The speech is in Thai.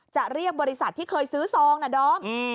จะเรียกบริษัทที่เคยซื้อซองนะดอม